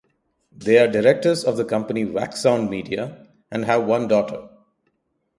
They are directors of the company Wax Sound Media and have one daughter.